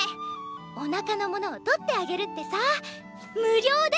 お腹のものを取ってあげるってさ無料で！